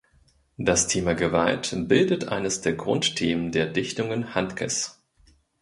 Das Thema Gewalt bildet eines der Grundthemen der Dichtungen Handkes.